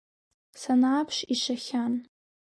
Санааԥш ишахьан.